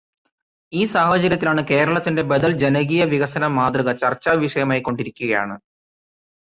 ഈ സാഹചര്യത്തിലാണ് കേരളത്തിന്റെ ബദൽ ജനകീയവികസനമാതൃക ചർച്ചാ വിഷയമായിക്കൊണ്ടിരിക്കുകയാണ്.